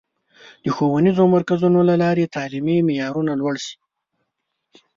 د ښوونیزو مرکزونو له لارې تعلیمي معیارونه لوړ شي.